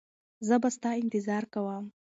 زه به ستا انتظار کوم.